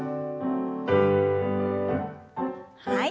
はい。